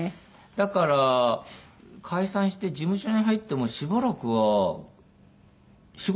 だから解散して事務所に入ってもしばらくは仕事が来ないんですよ。